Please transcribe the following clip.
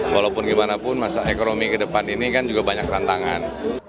walaupun gimana pun masa ekonomi ke depan ini kan juga banyak tantangan